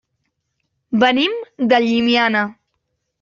Venim de Llimiana.